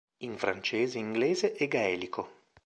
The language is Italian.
In francese, inglese, e gaelico".